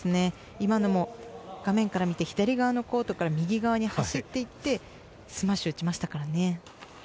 今のも画面から見て左側のコートから右側に走っていってスマッシュを打ちましたからね。